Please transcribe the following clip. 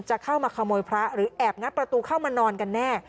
จะเข้ามาขโมยพระหรือแอบงัดประตูเข้ามานอนกันแน่